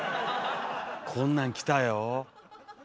こんなんきたよ！